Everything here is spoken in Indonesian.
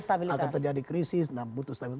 akan terjadi krisis nah butuh stabilitas